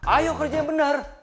ayo kerja yang bener